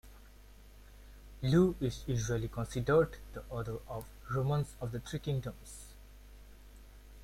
Luo is usually considered the author of "Romance of the Three Kingdoms".